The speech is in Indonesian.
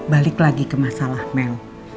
balik lagi ke masalah mel